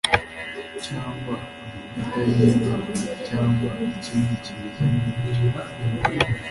cyangwa amavuta yinka cyangwa ikindi kimeze nkibyo